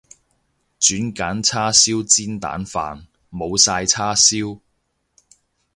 轉揀叉燒煎蛋飯，冇晒叉燒